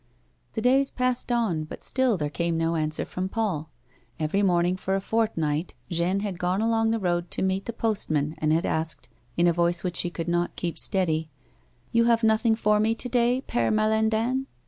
The days passed on, but still there came no answer from Paul. Every morning, for a fortnight, Jeanne had gone along the road to meet the postman, and had asked, in a voice which she could not keep steady : "You have nothing for me to day, Pere Malandaiu ?